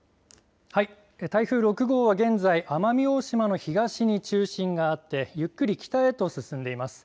台風６号は現在、奄美大島の東に中心があってゆっくり北へと進んでいます。